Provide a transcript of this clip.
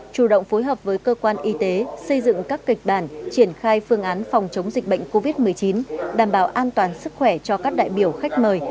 chủ động phối hợp với cơ quan y tế xây dựng các kịch bản triển khai phương án phòng chống dịch bệnh covid một mươi chín đảm bảo an toàn sức khỏe cho các đại biểu khách mời